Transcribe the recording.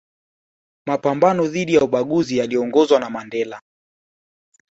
mapambano dhidi ya ubaguzi yaliyoongozwa na Mandela